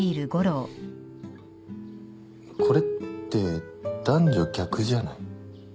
これって男女逆じゃない？